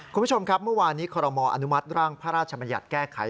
คุณผู้ชมครับเมื่อวานนี้คอลโลมอล์อนุมัติร่างภรรยศชมแก้ไข